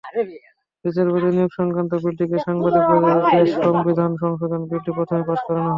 বিচারপতি নিয়োগসংক্রান্ত বিলটিকে সাংবিধানিক বৈধতা দিতে সংবিধান সংশোধন বিলটি প্রথমে পাস করানো হয়।